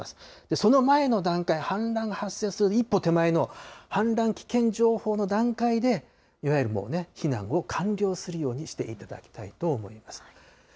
その前の段階、氾濫発生する一歩手前の、氾濫危険情報の段階で、いわゆるもうね、避難を完了するようにしていただきたいと思います。